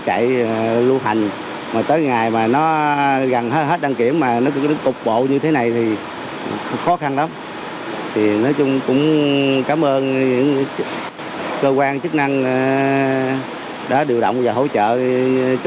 các anh em hãy đăng ký kênh để nhận thêm video mới